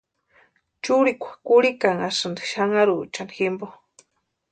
Churikwa kurhikanhasïnti xanaruchani jimpo.